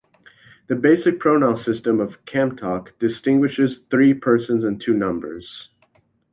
The basic pronoun system of Kamtok distinguishes three persons and two numbers.